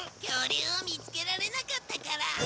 恐竜を見つけられなかったから。